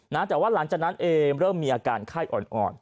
แต่ว่าหลังจากนั้นเอมเริ่มมีอาการไข้อ่อน